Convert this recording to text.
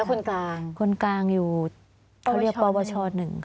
แล้วคุณกลางคุณกลางอยู่เขาเรียกปวช๑ค่ะ